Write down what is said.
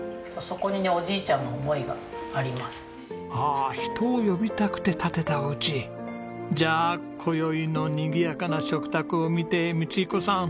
あ人を呼びたくて建てたおうち。じゃあ今宵のにぎやかな食卓を見て光彦さん